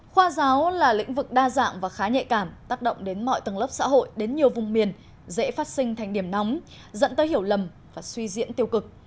khoa giáo là lĩnh vực đa dạng và khá nhạy cảm tác động đến mọi tầng lớp xã hội đến nhiều vùng miền dễ phát sinh thành điểm nóng dẫn tới hiểu lầm và suy diễn tiêu cực